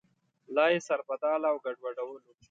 لا یې سربداله او ګډوډولو.